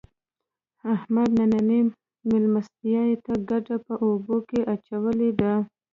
احمد نننۍ مېلمستیا ته ګېډه په اوبو کې اچولې ده.